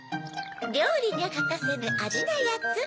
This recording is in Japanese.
りょうりにゃかかせぬあじなやつ。